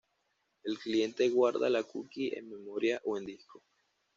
El cliente guarda la cookie en memoria o en disco.